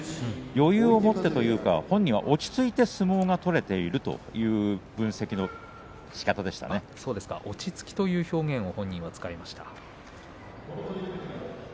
余裕を持てるというか本人は落ち着いて相撲が取れているという本人は落ち着きということばを使いました。